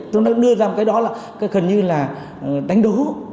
tôi đã đưa ra một cái đó là gần như là đánh đố